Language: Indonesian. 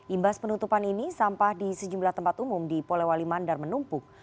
imbas penutupan ini sampah di sejumlah tempat umum di polewali mandar menumpuk